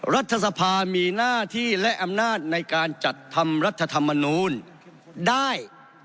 รัฐสภามีหน้าที่และอำนาจในการจัดทำรัฐธรรมนูลได้